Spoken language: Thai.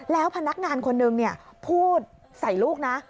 แล้วพนักงานคนนึงพูดใส่ลูกนะ